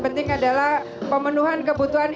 penting adalah pemenuhan kebutuhan